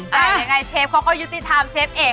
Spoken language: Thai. แต่ยังไงเชฟเขาก็ยุติธรรมเชฟเอก